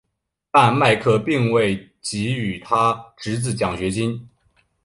但麦克并未给予他侄子奖学金。